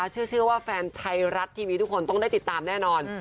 เชื่อว่าแฟนไทยรัฐทีวีทุกคนต้องได้ติดตามแน่นอน